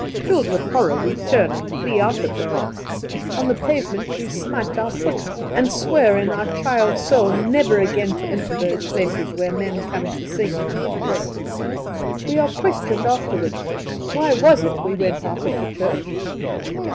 Filled with horror, we turn and flee out of the place. On the pavement we smite our foot, and swear in our child's soul never again to enter those places where men come to sing and pray. We are questioned afterward. Why was it we went out of the church.